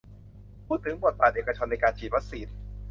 พูดถึงบทบาทเอกชนในการฉีดวัคซีน